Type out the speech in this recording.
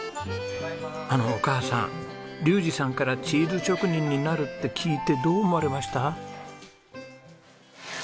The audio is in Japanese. あのお母さん竜士さんからチーズ職人になるって聞いてどう思われました？